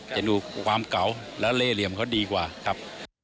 จะดูความเก่าและเล่เหลี่ยมเขาดีกว่าครับ